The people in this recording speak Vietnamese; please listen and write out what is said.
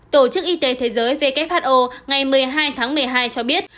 tổ chức y tế thế giới who ngày một mươi hai tháng một mươi hai cho biết